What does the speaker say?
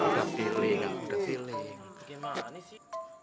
udah piring aku udah piring